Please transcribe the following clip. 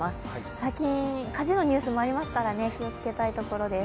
最近、火事のニュースもありますから、気をつけたいところです。